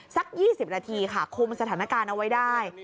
สัก๒๐นาทีค่ะคุมสถานการณ์เอาไว้ได้